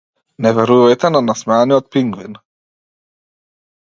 Не верувајте на насмеаниот пингвин.